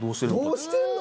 どうしてるの？